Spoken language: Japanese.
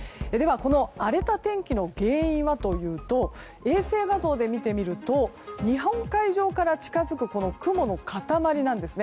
この荒れた天気の原因はというと衛星画像で見てみると日本海上から近づくこの雲の塊なんですね。